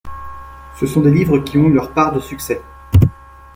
Ce sont des livres qui ont eu leur part de succès.